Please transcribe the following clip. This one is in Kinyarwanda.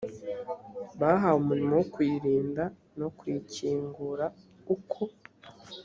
bahawe umurimo wo kuyirinda no kuyikingura uko